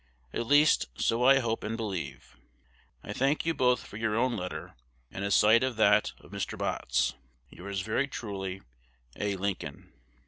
At least, so I hope and believe. I thank you both for your own letter and a sight of that of Mr. Botts. Yours very truly, A. Lincoln.